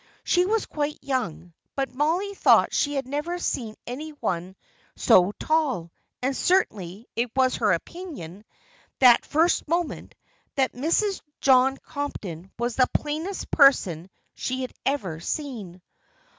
She was quite young, but Mollie thought she had never seen any one so tall; and certainly it was her opinion, that first moment, that Mrs. John Compton was the plainest person she had ever seen.